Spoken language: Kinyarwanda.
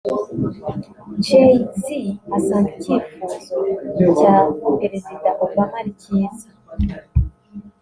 Jay Z asanga icyifuzo cya Perezida Obama ari cyiza